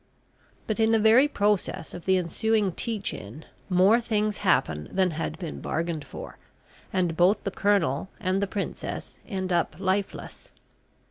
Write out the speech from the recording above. But in the very process of the ensuing teach in, more things happen than had been bargained for, and both the Colonel and the Princess end up lifeless.